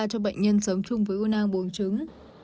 cho bệnh nhân sống chung với u nang bùng trứng